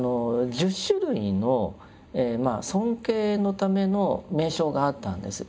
１０種類の尊敬のための名称があったんです。